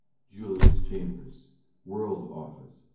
Julius Chambers: "World" Office, N.